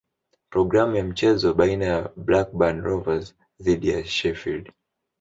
Programu ya mchezo baina ya Blackburn Rovers dhidi ya Sheffield